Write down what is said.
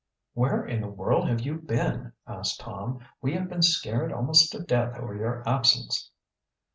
"Where in the world have you been?" asked Tom. "We have been scared almost to death over your absence."